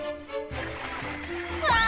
うわ！